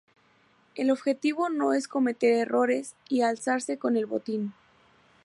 El objetivo es no cometer errores y alzarse con el botín.